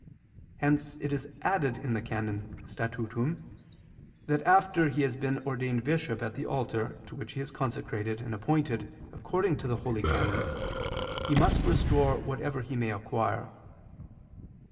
Hence it is added (XVIII, qu. i, can. Statutum) that after he has been ordained bishop at the altar to which he is consecrated and appointed according to the holy canons, he must restore whatever he may acquire.